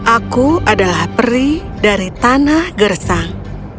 aku adalah peri dari tanah gersang